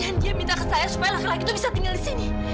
dan dia minta ke saya supaya laki laki itu bisa tinggal di sini